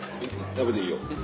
食べていいよ。